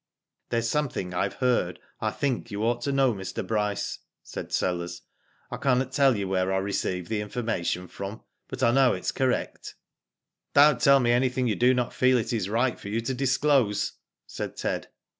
There's something Fve heard I think you ought to know Mr. Bryce/' said Sellers. " I cannot tell you where I received the information from, but I know it is correct." ^* Don't tell me anything you do not feel it is right for you to disclose," said Ted.